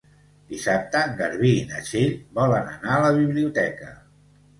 Dissabte en Garbí i na Txell volen anar a la biblioteca.